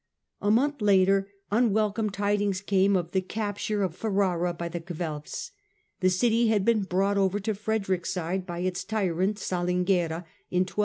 A month later unwelcome tidings came of the capture of Ferrara by the Guelfs. The city had been brought over to Frederick's side by its tyrant Salinguerra in 1236.